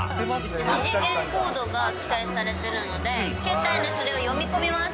二次元コードが記載されてるので、携帯でそれを読み込みます。